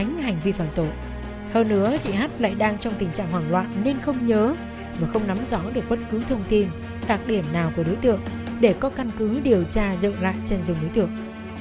hơn nữa chị hát lại đang trong tình trạng hoảng loạn nên không nhớ và không nắm rõ được bất cứ thông tin đặc điểm nào của đối tượng để có căn cứ điều tra dựng lại chân dung đối tượng